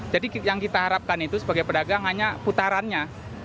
jadi yang kita harapkan itu sebagai pedagang hanya putarannya